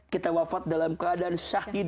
kita wafat dalam keadaan syahid